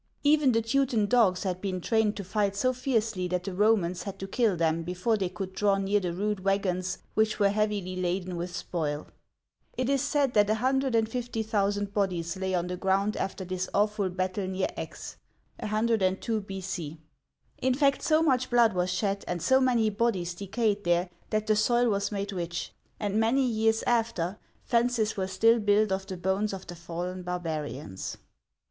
Even the Teuton dogs had been trained to fight so fiercely that the Romans had to kill them before they could draw near the rude wagons which were heavily laden with spoil. It is said that 150,000 bodies lay on the ground after this awful battle near Aix (102 B.C.). In fact, so much blood was shed, and so many bodies decayed there, that the soil was made rich; and many years after, fences were still built of the bones of the fallen barbarians.